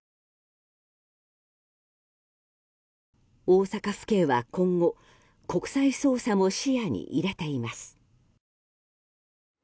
大阪府警は今後、国際捜査も視野に入れています。